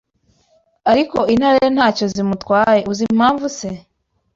Ariko intare nta cyo zimutwaye Uzi impamvu se